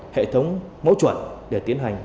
hệ thống mẫu chuẩn để tiến hành